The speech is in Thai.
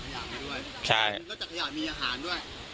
ขยะมีด้วยแล้วก็จากขยะมีอาหารด้วย